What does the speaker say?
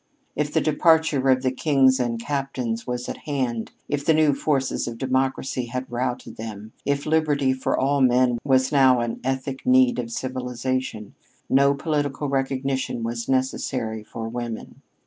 If the departure of the "captains and the kings" was at hand, if the new forces of democracy had routed them, if liberty for all men was now an ethic need of civilization, so political recognition was necessary for women.